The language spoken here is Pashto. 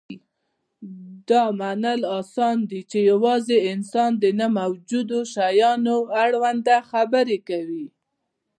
دا منل اسان دي، چې یواځې انسان د نه موجودو شیانو اړوند خبرې کوي.